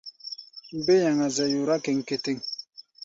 Mbé yaŋa-zɛ yora kéŋkétéŋ.